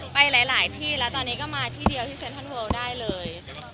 ไปหลายที่แล้วตอนนี้ก็มาที่เดียวที่เซ็นทรัลเวิลได้เลย